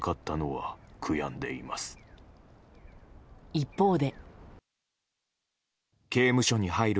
一方で。